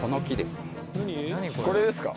これですか？